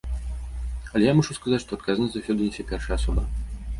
Але я мушу сказаць, што адказнасць заўсёды нясе першая асоба.